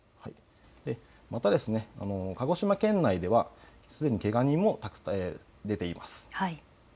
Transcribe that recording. また鹿児島県内ではすでに、けが人も出ています。